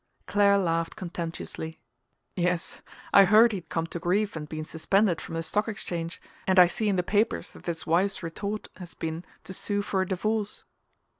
Clare laughed contemptuously. "Yes I heard he'd come to grief and been suspended from the Stock Exchange, and I see in the papers that his wife's retort has been to sue for a divorce."